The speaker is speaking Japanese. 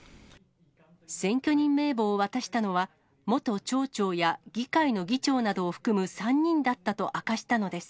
選挙人名簿を渡したのは、元町長や議会の議長などを含む３人だったと明かしたのです。